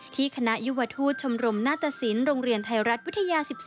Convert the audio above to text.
ที่คณะยุวทุศชมรมนาฏศิลป์โรงเรียนไทยรัฐวิทยา